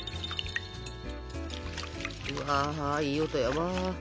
うわいい音やわ。